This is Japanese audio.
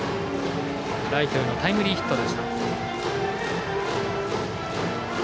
ライトへのタイムリーヒット。